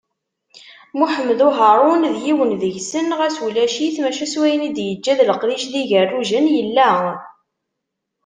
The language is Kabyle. Muḥemmed Uharu d yiwen deg-sen, ɣas ulac-it, maca s wayen i d-yeǧǧa d leqdic d yigerrujen yella.